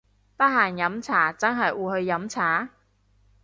得閒飲茶真係會去飲茶！？